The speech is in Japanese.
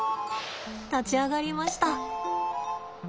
立ち上がりました。